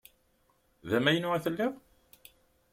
D amaynu i telliḍ?